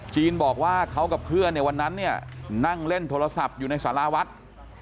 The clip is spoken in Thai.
บอกว่าเขากับเพื่อนในวันนั้นเนี่ยนั่งเล่นโทรศัพท์อยู่ในสาราวัด